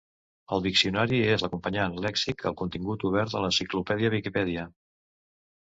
El Viccionari és l'acompanyant lèxic al contingut obert de l'enciclopèdia Viquipèdia.